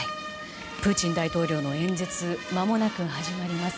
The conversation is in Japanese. プーチン大統領の演説まもなく始まります。